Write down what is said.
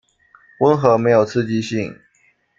溫和沒有刺激性